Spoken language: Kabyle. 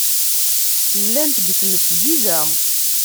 Llant deg tmesgida.